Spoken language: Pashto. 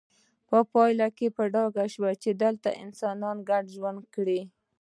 په پایله کې په ډاګه شوه چې دلته انسانانو ګډ ژوند کړی